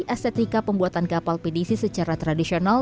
estetika pembuatan kapal pdc secara tradisional